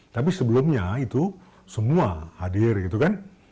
tapi sebelumnya itu semua hadir gitu kan